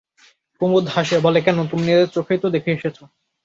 কুমুদ হাসে, বলে, কেন, তুমি নিজের চোখেই তো দেখে এসেছ।